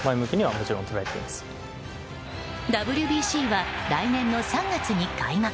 ＷＢＣは来年の３月に開幕。